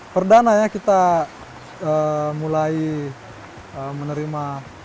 pertama kita mulai menerima